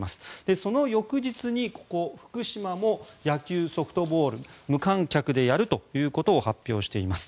その翌日に、ここ、福島も野球・ソフトボールを無観客でやるということを発表しています。